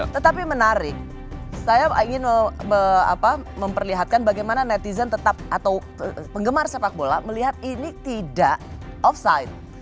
tetapi menarik saya ingin memperlihatkan bagaimana netizen tetap atau penggemar sepak bola melihat ini tidak offside